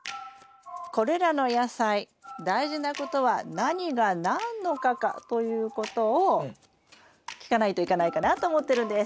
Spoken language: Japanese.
これらの野菜大事なことは何が何の科かということを聞かないといかないかなと思ってるんです。